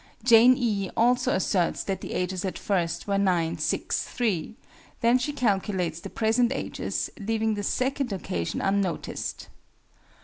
JANE E. also asserts that the ages at first were 9, 6, 3: then she calculates the present ages, leaving the second occasion unnoticed.